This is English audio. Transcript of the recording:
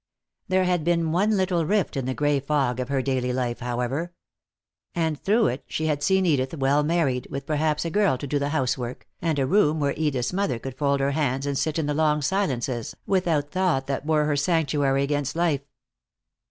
There had been one little rift in the gray fog of her daily life, however. And through it she had seen Edith well married, with perhaps a girl to do the house work, and a room where Edith's mother could fold her hands and sit in the long silences without thought that were her sanctuary against life.